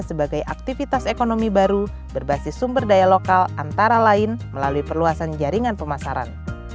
sebagai aktivitas ekonomi baru berbasis sumber daya lokal antara lain melalui perluasan jaringan pemasaran